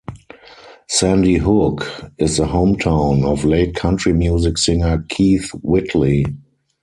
Sandy Hook is the hometown of late country music singer Keith Whitley.